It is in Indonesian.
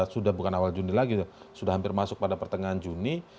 sudah bukan awal juni lagi sudah hampir masuk pada pertengahan juni